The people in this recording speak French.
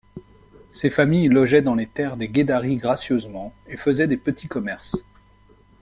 Ces familles logeaient dans les terres des gueddaris gracieusement et faisaient des petits commerces.